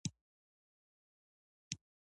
د پوهنتون ژوند د هڅونې ځای دی.